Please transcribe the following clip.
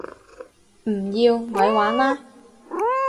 唔要！咪玩啦